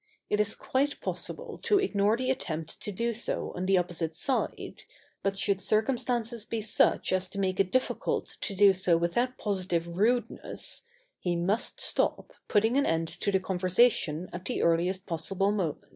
It is quite possible to ignore the attempt to do so on the opposite side, but should circumstances be such as to make it difficult to do so without positive rudeness, he must stop, putting an end to the conversation at the earliest possible moment.